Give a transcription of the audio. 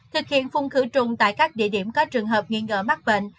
thực hiện phun khử trùng tại các địa điểm có trường hợp nghi ngờ mắc bệnh